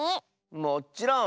もっちろん！